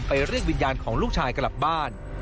เรียกวิญญาณของลูกชายกลับบ้าน